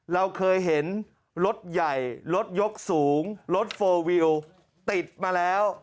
เราเคยเห็นรถใหญ่รถยกสูงรถโฟลวิวติดมาแล้ว